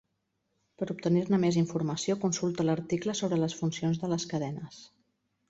Per obtenir-ne més informació, consulta l'article sobre les funcions de les cadenes.